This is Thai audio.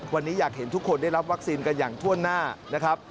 วันนี้อยากเห็นทุกคนได้รับวัคซีนกันอย่างถ้วนหน้านะครับ